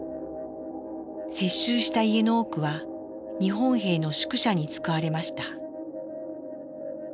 接収した家の多くは日本兵の宿舎に使われました。